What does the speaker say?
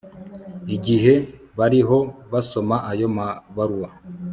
igihe bariho basoma ayo mabaruwa